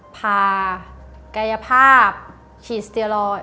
พากายภาพฉีดสเตียรอยด